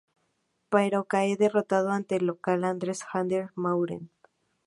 Pero cae derrotado ante el local Andreas Haider-Maurer.